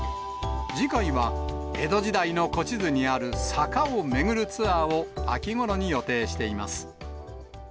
次回は江戸時代の古地図にある坂を巡るツアーを秋ごろに予定しています。